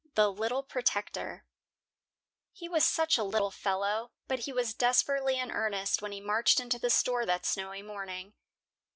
THE LITTLE PROTECTOR He was such a little fellow, but he was desperately in earnest when he marched into the store that snowy morning.